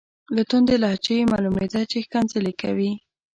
له توندې لهجې یې معلومیده چې ښکنځلې کوي.